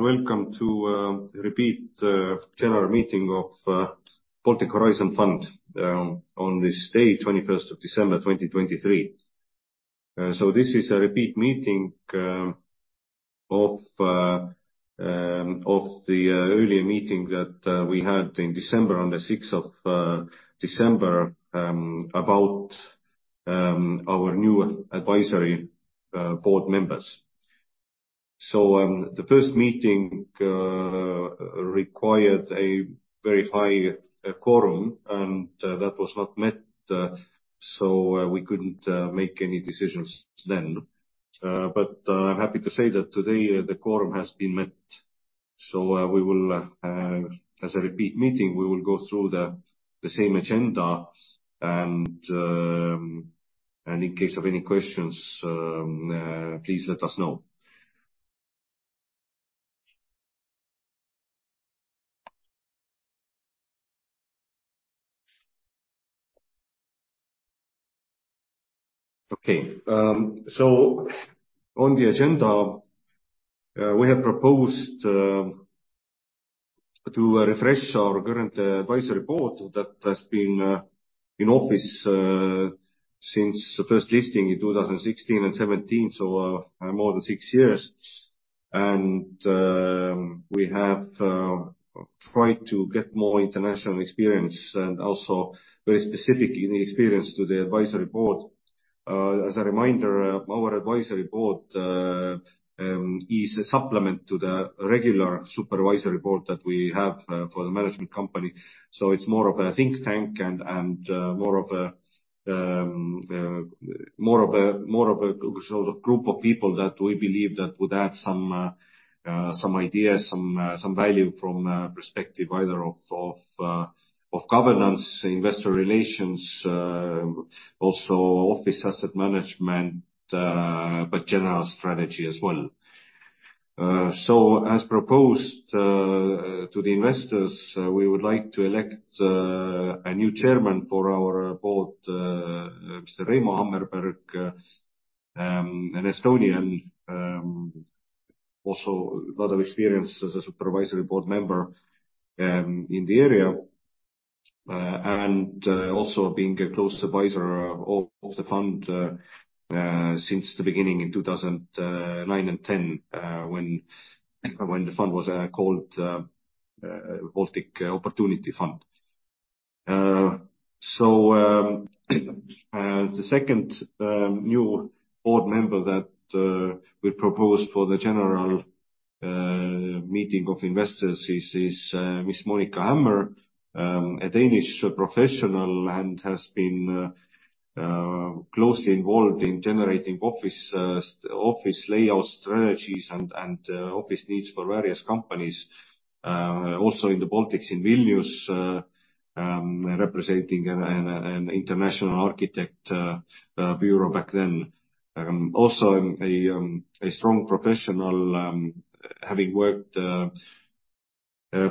Welcome to the repeat General Meeting of Baltic Horizon Fund on this day, 21st of December, 2023. So this is a repeat meeting of the earlier meeting that we had in December, on the 6th of December, about our new advisory board members. So the first meeting required a very high quorum, and that was not met, so we couldn't make any decisions then. But I'm happy to say that today the quorum has been met, so we will, as a repeat meeting, we will go through the same agenda and in case of any questions, please let us know. Okay, so on the agenda, we have proposed to refresh our current advisory board that has been in office since the first listing in 2016 and 2017, so more than six years. We have tried to get more international experience and also very specific in experience to the advisory board. As a reminder, our advisory board is a supplement to the regular supervisory board that we have for the management company. So it's more of a think tank and more of a sort of group of people that we believe that would add some ideas, some value from perspective either of governance, investor relations, also office asset management, but general strategy as well. So as proposed to the investors, we would like to elect a new chairman for our board, Mr. Reimo Hammerberg, an Estonian, also a lot of experience as a Supervisory Board Member in the area. Also being a close advisor of the fund since the beginning in 2009 and 2010, when the fund was called Baltic Opportunity Fund. So, the second new board member that we propose for the general meeting of investors is Ms. Monica Hammer, a Danish professional, and has been closely involved in generating office layout strategies and office needs for various companies, also in the Baltics, in Vilnius, representing an international architect bureau back then. Also, a strong professional, having worked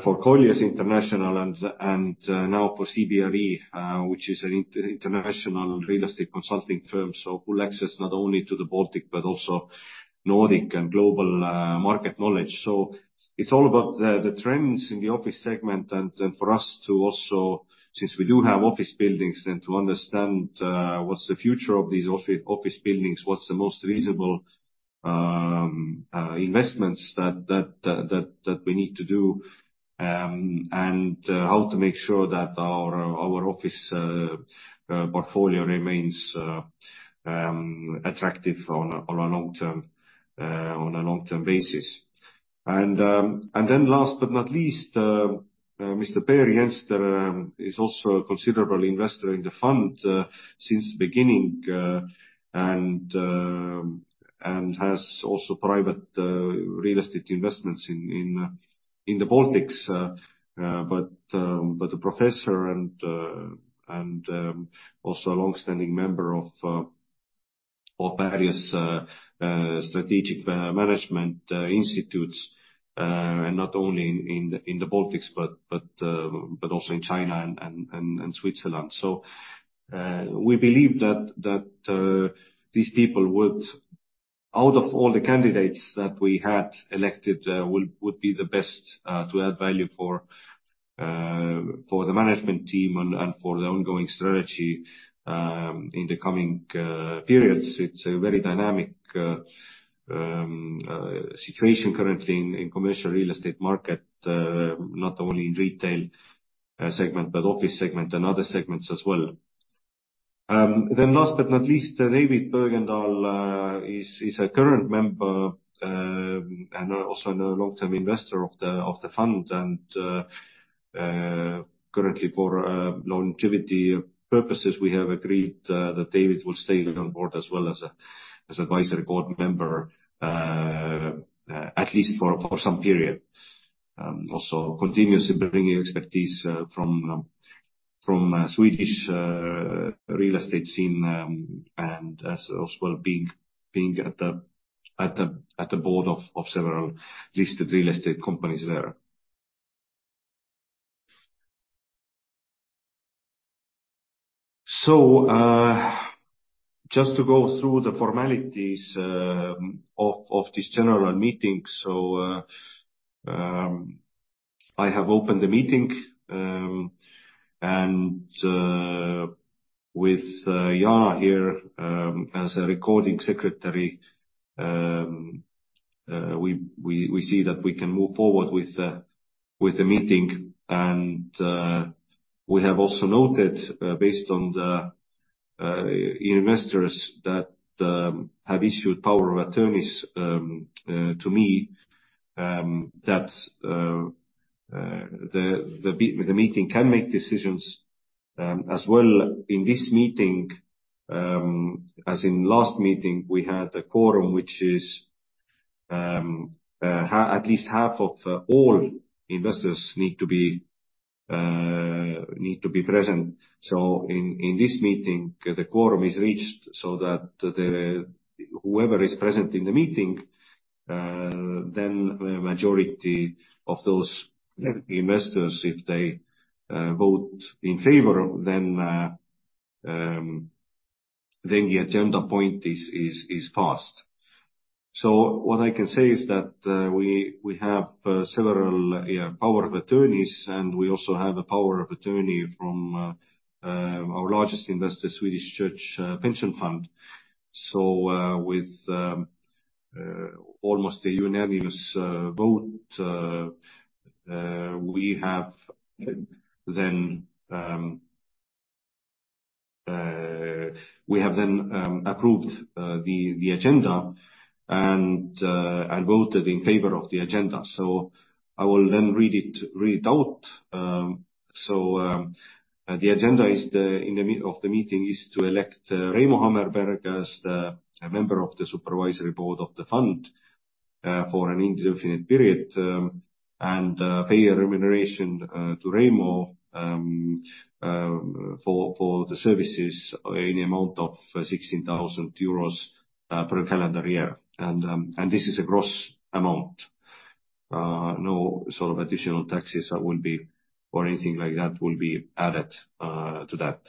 for Colliers International and now for CBRE, which is an international real estate consulting firm. So full access not only to the Baltic, but also Nordic and global market knowledge. So it's all about the trends in the office segment and for us to also, since we do have office buildings, and to understand what's the future of these office buildings, what's the most reasonable investments that we need to do, and how to make sure that our office portfolio remains attractive on a long-term basis. And then last but not least, Mr. Per Jenster is also a considerable investor in the fund since the beginning, and has also private real estate investments in the Baltics. But a professor and also a long-standing member of various strategic management institutes, and not only in the Baltics, but also in China and Switzerland. So, we believe that these people would... Out of all the candidates that we had elected, would be the best to add value for the management team and for the ongoing strategy in the coming periods. It's a very dynamic situation currently in commercial real estate market, not only in retail segment, but office segment and other segments as well. Then last but not least, David Bergendahl is a current member and also a long-term investor of the fund. Currently for longevity purposes, we have agreed that David will stay on board as well as an Advisory Board member, at least for some period. Also continuously bringing expertise from Swedish real estate scene, and as well, being at the board of several listed real estate companies there... Just to go through the formalities of this general meeting. I have opened the meeting, and with Jana here as a recording Secretary, we see that we can move forward with the meeting. We have also noted, based on the investors that have issued power of attorneys to me, that the meeting can make decisions as well. In this meeting, as in last meeting, we had a quorum, which is at least half of all investors need to be present. So in this meeting, the quorum is reached, so that whoever is present in the meeting, then the majority of those investors, if they vote in favor, then the agenda point is passed. So what I can say is that we have several, yeah, power of attorneys, and we also have a power of attorney from our largest investor, Swedish Church Pension Fund. So, with almost a unanimous vote, we have then approved the agenda and voted in favor of the agenda. So I will then read it out. So, the agenda is to elect Reimo Hammerberg as the member of the Supervisory Board of the Fund for an indefinite period, and pay a remuneration to Reimo for the services in the amount of 16,000 euros per calendar year. And this is a gross amount. No sort of additional taxes will be or anything like that will be added to that.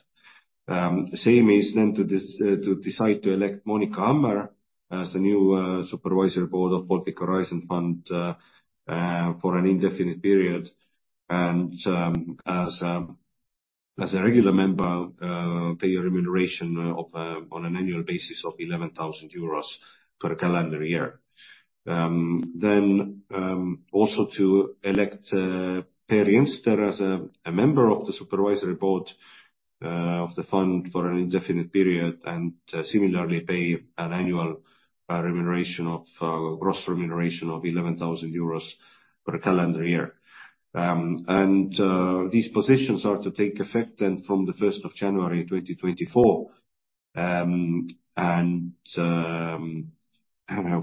Same is then to this to decide to elect Monica Hammer as the new Supervisory Board of Baltic Horizon Fund for an indefinite period, and as a regular member pay a remuneration of on an annual basis of 11,000 euros per calendar year. Then also to elect Per V. Jenster as a member of the supervisory board of the fund for an indefinite period, and similarly pay an annual remuneration of gross remuneration of 11,000 euros per calendar year. And these positions are to take effect then from the 1st of January 2024 and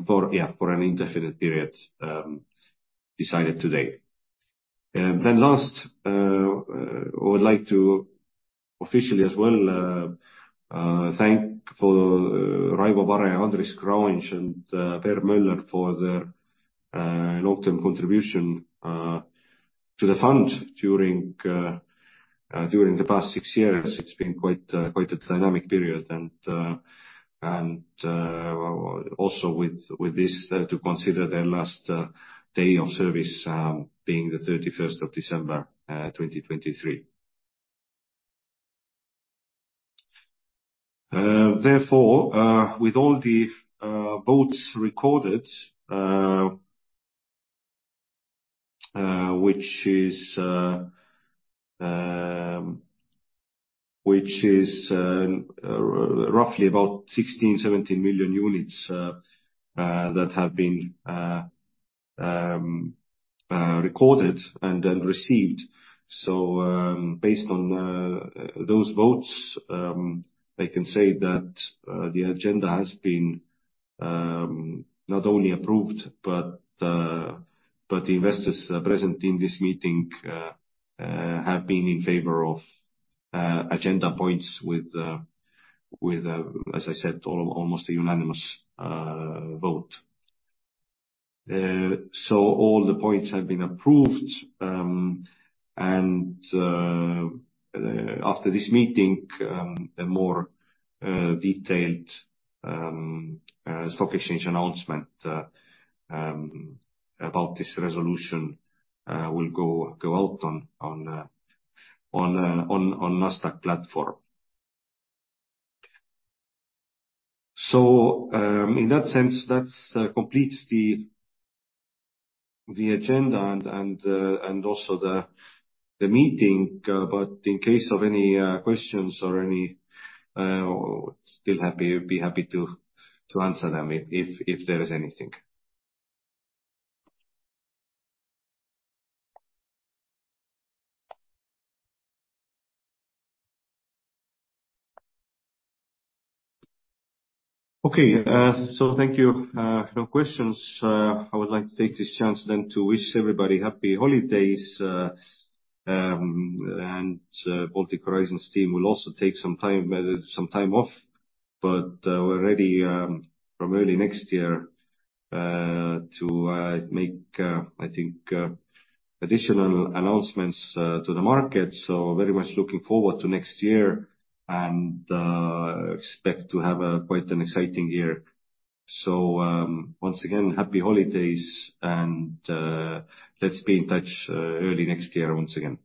for an indefinite period decided today. Then last, I would like to officially as well thank for Raivo Vare, Andris Kraujins and Per Moller for their long-term contribution to the fund during the past six years. It's been quite a dynamic period, and also with this to consider their last day of service being the 31st of December, 2023. Therefore, with all the votes recorded, which is roughly about 16-17 million units that have been recorded and received. So, based on those votes, I can say that the agenda has been not only approved, but the investors present in this meeting have been in favor of agenda points with, as I said, almost a unanimous vote. So all the points have been approved, and after this meeting, a more detailed stock exchange announcement about this resolution will go out on Nasdaq platform. So, in that sense, that completes the agenda and also the meeting. But in case of any questions or any... happy to answer them if there is anything. Okay, so thank you. No questions. I would like to take this chance then to wish everybody Happy Holidays, and Baltic Horizon's team will also take some time off, but we're ready from early next year to make, I think, additional announcements to the market. So very much looking forward to next year, and expect to have quite an exciting year. So once again, Happy Holidays, and let's be in touch early next year once again.